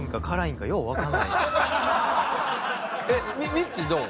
みっちーどう？